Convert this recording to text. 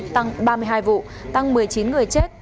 tăng ba mươi hai vụ tăng một mươi chín người chết